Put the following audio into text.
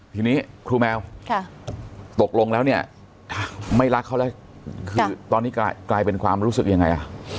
ทีนี้ครูแมวตกลงแล้วเนี่ยไม่รักเขาแล้วคือตอนนี้กลายเป็นความรู้สึกยังไง